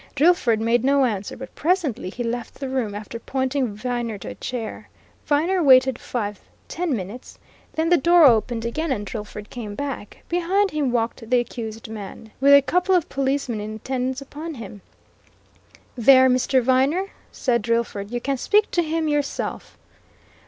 Drillford made no answer. But presently he left the room, after pointing Viner to a chair. Viner waited five, ten minutes. Then the door opened again, and Drillford came back. Behind him walked the accused man, with a couple of policemen in attendance upon him. "There, Mr. Viner!" said Drillford. "You can speak to him yourself!"